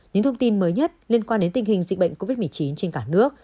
những thông tin mới nhất liên quan đến tình hình dịch bệnh covid một mươi chín trên cả nước